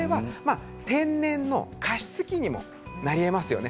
天然の加湿器にもなりえますよね。